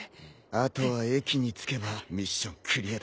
あとは駅に着けばミッションクリアだ。